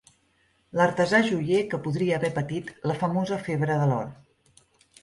L'artesà joier que podria haver patit la famosa febre de l'or.